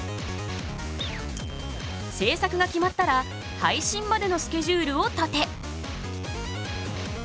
制作が決まったら配信までのスケジュールを立て。